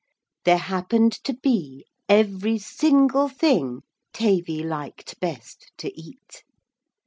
There happened to be every single thing Tavy liked best to eat.